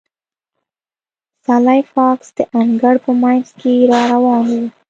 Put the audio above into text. سلای فاکس د انګړ په مینځ کې را روان و